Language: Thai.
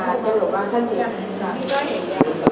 ใช่ครับ